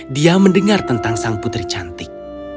dia mendengar tentang sang putri cantik